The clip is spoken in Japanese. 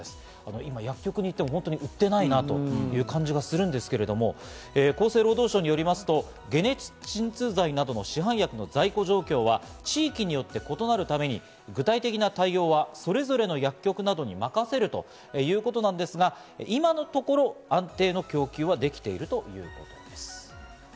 今、薬局に行っても売っていないなという感じがするんですけれども、厚生労働省によりますと解熱鎮痛剤などの市販薬の在庫状況は地域によって異なるため、具体的な対応はそれぞれの薬局などに任せるということですが、今のところ安定の供給はできているということです。